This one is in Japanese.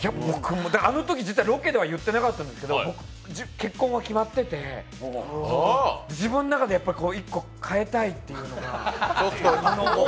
あのとき実はロケでは言ってなかったんですけど、僕、結婚が決まってて、自分の中で１個変えたいっていうか。